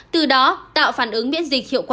từ đó tạo phản ứng biễn dịch hiệu quả